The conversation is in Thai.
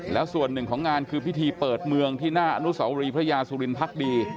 แล้วส่วนหนึ่งของงานคือพิธีเปิดเมืองที่หน้าอนุสาวรีพระยาสุรินพักดี